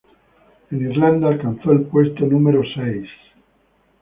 En Irlanda alcanzó el puesto número seis.